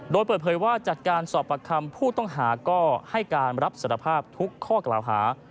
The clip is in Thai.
โดยเปิดเผยว่าจากการสอบประคำผู้ต้องหาก็ให้การรับสารภาพทุกข้อกล่าวหา